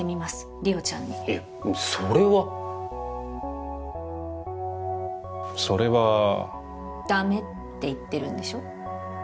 莉桜ちゃんにいやそれはそれはダメって言ってるんでしょ？